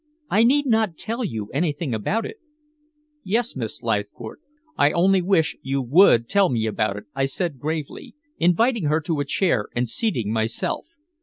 I need not tell you anything about it" "Yes, Miss Leithcourt, I only wish you would tell me about it," I said gravely, inviting her to a chair and seating myself.